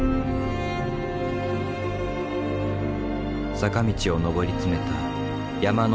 坂道を上り詰めた山の頂上付近。